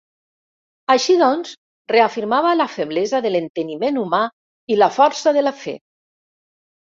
Així doncs, reafirmava la feblesa de l'enteniment humà i la força de la fe.